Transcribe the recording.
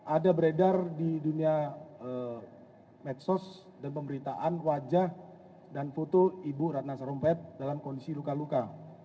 ada beredar di dunia medsos dan pemberitaan wajah dan foto ibu ratna sarumpait dalam kondisi luka luka